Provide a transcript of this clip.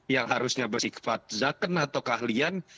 yang harusnya bersifat zaken atau keahlian